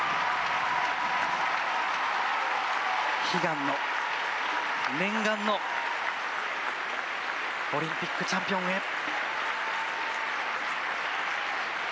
悲願の念願のオリンピックチャンピオンへ。